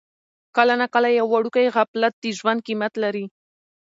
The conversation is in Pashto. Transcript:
کله ناکله یو وړوکی غفلت د ژوند قیمت لري.